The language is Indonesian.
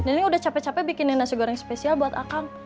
nenek udah capek capek bikinin nasi goreng spesial buat akang